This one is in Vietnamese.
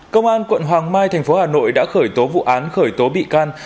công an quận hoàng mai thành phố hà nội đã khởi tố vụ án khởi tố bị can